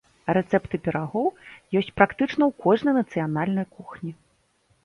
Рэцэпты пірагоў ёсць практычна ў кожнай нацыянальнай кухні.